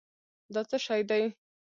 دا څه شی دی؟